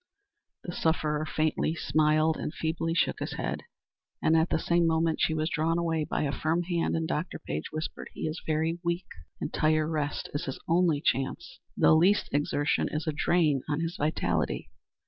The sufferer faintly smiled and feebly shook his head, and at the same moment she was drawn away by a firm hand, and Dr. Page whispered: "He is very weak. Entire rest is his only chance. The least exertion is a drain on his vitality."